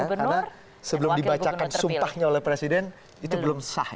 karena sebelum dibacakan sumpahnya oleh presiden itu belum sah ya